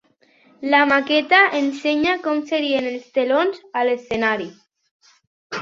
La maqueta ensenya com serien els telons a l'escenari.